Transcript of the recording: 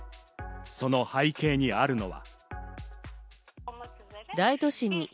その背景にあるのは。